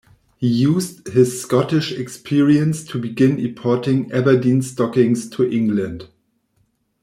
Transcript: He used his Scottish experience to begin importing Aberdeen stockings to England.